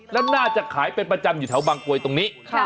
แล้วน่าจะขายเป็นประจำอยู่แถวบางกลวยตรงนี้